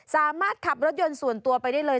สามารถขับรถยนต์ส่วนตัวไปได้เลย